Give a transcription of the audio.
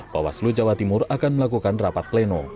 bawaslu jawa timur akan melakukan rapat pleno